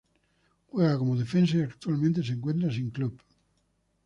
Juega como defensa y actualmente se encuentra sin club.